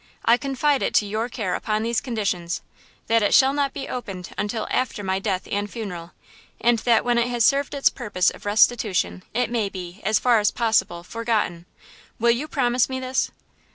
I confide it to your care upon these conditions–that it shall not be opened until after my death and funeral, and that, when it has served its purpose of restitution, it may be, as far as possible, forgotten. Will you promise me this?"